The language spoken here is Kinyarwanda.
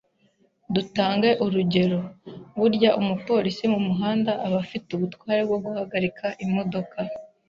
Dutange urugero: burya umupolisi mu muhanda aba afite ubutware bwo guhagarika imodoka